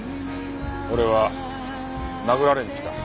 俺は殴られに来た。